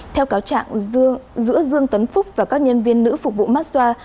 theo cáo trạng giữa dương tấn phúc và các nhân viên nữ phục vụ massa